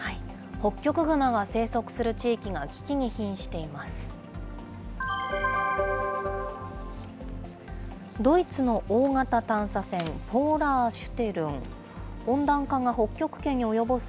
ホッキョクグマが生息する地域が危機に瀕しています。